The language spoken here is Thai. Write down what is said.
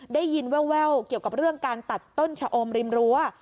ได้ยินแววเกี่ยวกับเรื่องการตัดต้นชะอมริมรั้ว